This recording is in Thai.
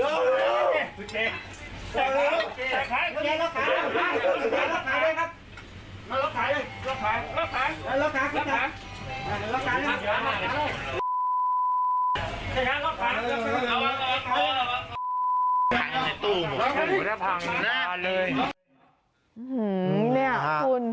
อื้มแม่ขุม